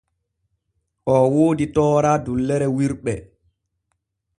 O woodi toora dullere wirɓe.